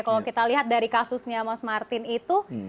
kalau kita lihat dari kasusnya mas martin itu